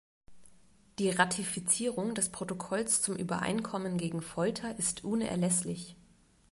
Die Ratifizierung des Protokolls zum Übereinkommen gegen Folter ist unerlässlich.